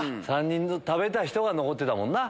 ３人食べた人が残ってたもんな。